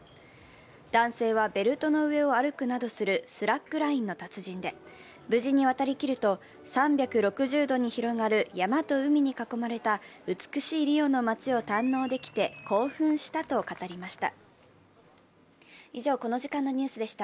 男性はベルトの上を歩くなどするスラックラインの達人で、無事に渡りきると、３６０度に広がる山と海に囲まれた美しいリオの街を堪能できて興奮したと語りました。